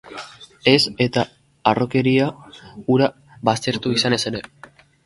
Ez eta harrokeria hura baztertu izanaz ere...